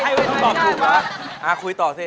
ถ้าคุยต่อสิ